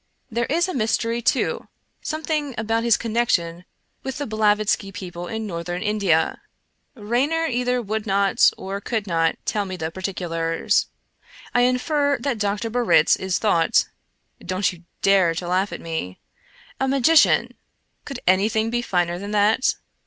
There is a mystery, too — something about his connection with the Blavatsky people in Northern India. Raynor either would not or could not tell me the particulars. I infer that Dr. Barritz is thought — don't you dare to laugh at me — a magician! Could anything be finer than that?